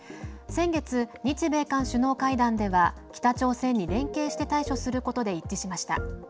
先月、日米韓首脳会談では北朝鮮に連携して対処することで一致しました。